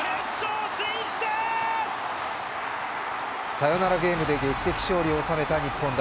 サヨナラゲームで劇的勝利を収めた日本。